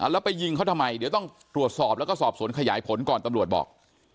แล้วไปยิงเขาทำไมเดี๋ยวต้องตรวจสอบแล้วก็สอบสวนขยายผลก่อนตำรวจบอก